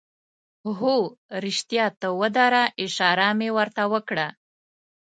هو، رښتیا ته ودره، اشاره مې ور ته وکړه.